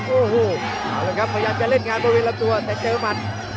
โอ้โหเอาละครับพยายามจะเล่นงานบริเวณลำตัวแต่เจอหมัด